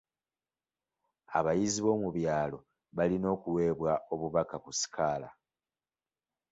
Abayizi b'omu byalo balina okuweebwa obubaka ku sikaala.